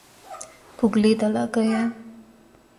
Pogledala ga je.